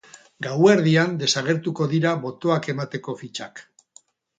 Gauerdian desagertuko dira botoak emateko fitxak.